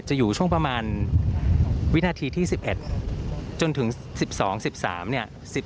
อยู่ช่วงประมาณวินาทีที่๑๑จนถึง๑๒๑๓เนี่ย